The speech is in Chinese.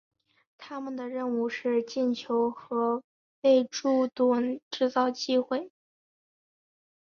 他们的任务是进球和为柱趸制造机会。